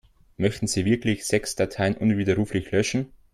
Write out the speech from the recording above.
Möchten Sie wirklich sechs Dateien unwiderruflich löschen?